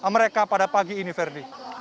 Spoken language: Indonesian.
mereka pada pagi ini